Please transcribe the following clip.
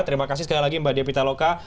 terima kasih sekali lagi mbak devita loka